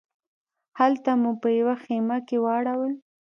هلته مو په یوه خیمه کې واړول.